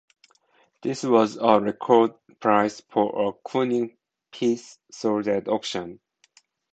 This was a record price for a Kooning piece sold at auction.